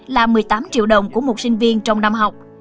là một mươi tám triệu đồng của một sinh viên trong năm học